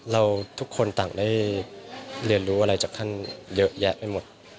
เราทุกคนต่างได้เรียนรู้อะไรจากท่านเยอะแยะไปหมด